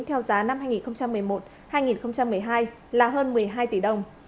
theo giá năm hai nghìn một mươi một hai nghìn một mươi hai là hơn một mươi hai tỷ đồng